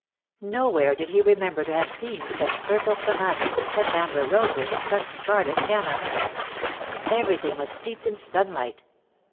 No where did he remember to have seen such purple DEAD LOVE HAS CHAINS, ']'] clematis, such amber roses, such scarlet cannas. Everything was steeped in sunlight.